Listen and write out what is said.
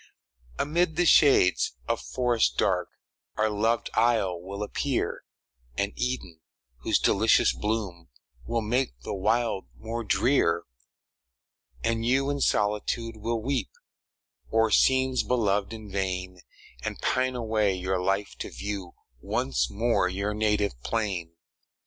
Amid the shades of forests dark, Our loved isle will appear An Eden, whose delicious bloom Will make the wild more drear. And you in solitude will weep O'er scenes beloved in vain, And pine away your life to view Once more your native plain.